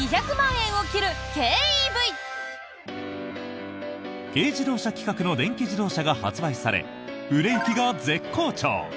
軽自動車規格の電気自動車が発売され、売れ行きが絶好調。